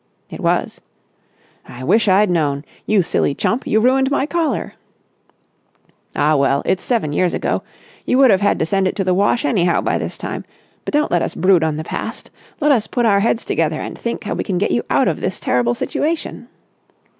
"It was." "I wish I'd known! You silly chump, you ruined my collar." "Ah, well, it's seven years ago. You would have had to send it to the wash anyhow by this time. But don't let us brood on the past. Let us put our heads together and think how we can get you out of this terrible situation."